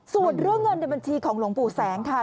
ส่วนเรื่องเงินในบัญชีของหลวงปู่แสงค่ะ